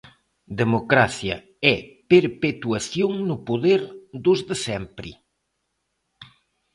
Democracia é perpetuación no poder dos de sempre.